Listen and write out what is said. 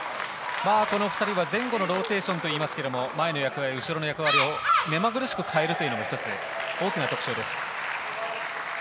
この２人は前後のローテーションといいますが前の役割、後ろの役割を目まぐるしく変えるというのが１つ大きな特徴です。